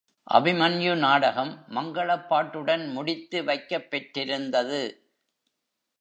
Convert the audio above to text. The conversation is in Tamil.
அபிமன்யு நாடகம் மங்களப் பாட்டுடன் முடித்து வைக்கப் பெற்றிருந்தது.